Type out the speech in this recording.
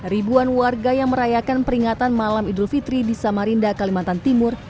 ribuan warga yang merayakan peringatan malam idul fitri di samarinda kalimantan timur